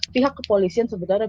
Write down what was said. pihak kepolisian sebenarnya